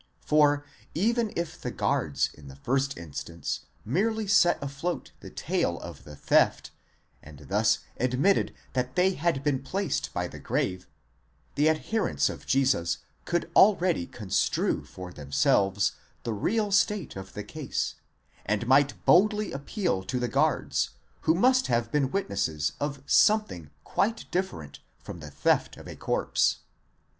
For even if the guards in the first instance merely set afloat the tale of the theft, and thus admitted that they had been placed by the grave, the adherents of Jesus could already construe for themselves the real state of the case, and might boldly appeal to the guards, who must have been witnesses of some thing quite different from the theft of a corpse.